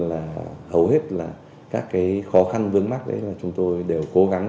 là hầu hết là các cái khó khăn vướng mắt đấy là chúng tôi đều cố gắng